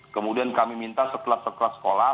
kemudian kami minta setelah sekelas sekolah